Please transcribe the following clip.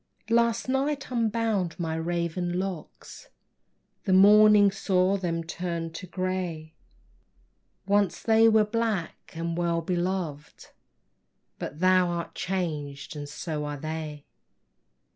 Last night unbound my raven locks, The morning saw them turned to gray, Once they were black and well beloved, But thou art changed, and so are they!